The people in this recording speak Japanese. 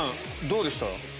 どうでした？